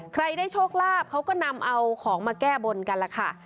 ได้โชคลาภเขาก็นำเอาของมาแก้บนกันล่ะค่ะ